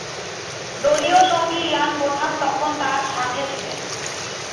দলীয় সঙ্গী Ian Botham তখন তার সাথে ছিলেন।